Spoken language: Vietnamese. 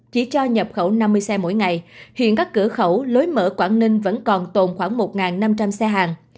chỉ cho nhập khẩu năm mươi xe mỗi ngày hiện các cửa khẩu lối mở quảng ninh vẫn còn tồn khoảng một năm trăm linh xe hàng